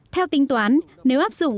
theo tính toán nếu áp dụng